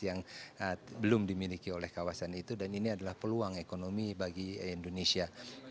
yang belum dimiliki oleh kawasan itu dan ini adalah peluang ekonomi bagi indonesia